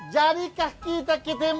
jadikah kita ketemuan